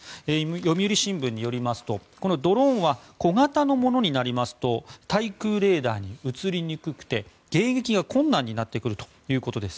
読売新聞によりますとこのドローンは小型のものになりますと対空レーダーに映りにくくて迎撃が困難になってくるということです。